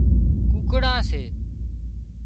ڪوڪڙان سي